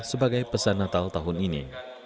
sebagai pesan natal tahun ini